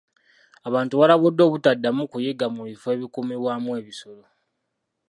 Abantu baalabulwa obutaddamu kuyigga mu bifo ebikuumibwamu ebisolo.